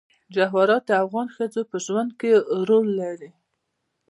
جواهرات د افغان ښځو په ژوند کې رول لري.